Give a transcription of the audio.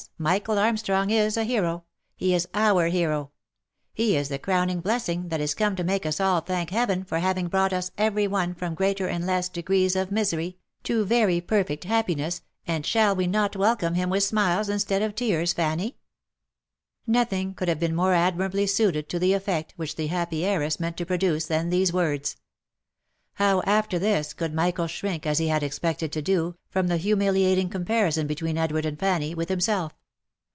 Michael Armstrong is a hero ; he is our hero ; he is the crowning blessing that is come to make us all thank Heaven for having brought us every one from greater and less degrees of misery, to very perfect pahpiness, and shall we not welcome him with smiles, instead of tears, Fanny ?" Nothing could have been more admirably suited to the effect which the happy heiress meant to produce, than these words. How, after this, could Michael shrink, as he had expected to do, from the humi liating comparison between Edward and Fanny, with himself?